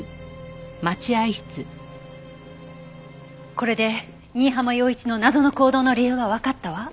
これで新浜陽一の謎の行動の理由がわかったわ。